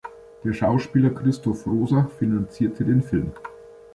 Der Schauspieler Christoph Roser finanzierte den Film.